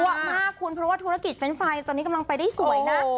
มากคุณเพราะว่าธุรกิจเฟรนดไฟตอนนี้กำลังไปได้สวยนะ